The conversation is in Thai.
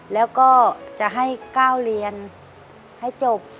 แล้วก็จะให้ก้าวเรียนให้จบ